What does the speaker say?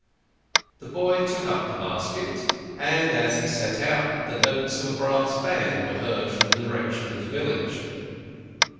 The boy took up the basket, and as he set out the notes of a brass band were heard from the direction of the village.